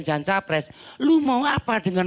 capres lu mau apa dengan